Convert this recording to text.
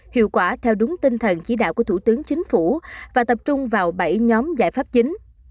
hiệu quả theo đúng tinh thần chỉ đạo của thủ tướng chính phủ và tập trung vào bảy nhóm giải pháp chính